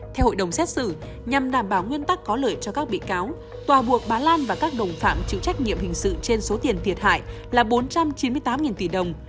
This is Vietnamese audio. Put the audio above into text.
theo hội đồng xét xử nhằm đảm bảo nguyên tắc có lợi cho các bị cáo tòa buộc bà lan và các đồng phạm chịu trách nhiệm hình sự trên số tiền thiệt hại là bốn trăm chín mươi tám tỷ đồng